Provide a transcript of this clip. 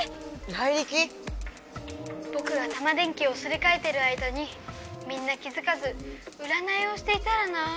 ライリキ⁉ぼくがタマ電Ｑをすりかえてる間にみんな気づかずうらないをしていたらなぁ。